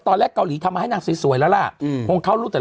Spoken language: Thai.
ตอนแรกเกาหลีทำมาให้นางสวยแล้วล่ะอืมพงเขารู้แต่